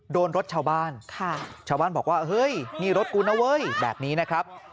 โดนรถชาวบ้านชาวบ้านบอกว่าเฮ้ยนี่รถกูนะเว้ยแบบนี้นะครับ